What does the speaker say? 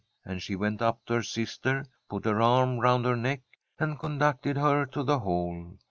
And she went up to her fister, put her arm round her neck, and con ducted her to the hall.